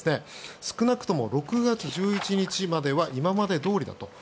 少なくとも６月１１日までは今までどおりだと。